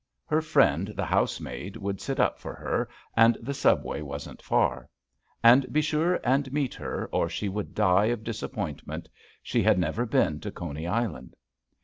Her friend, the house maid, would sit up for her, and the subway wasn't far. And be sure and meet her or she would die of disappoint ment ; she had never been to Coney Island.